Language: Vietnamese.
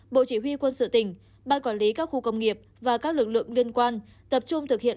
bộ chỉ huy quân sự tỉnh ban quản lý các khu công nghiệp và các lực lượng liên quan tập trung thực hiện